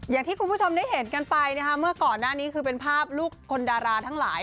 อย่างที่คุณผู้ชมได้เห็นกันไปนะคะเมื่อก่อนหน้านี้คือเป็นภาพลูกคนดาราทั้งหลาย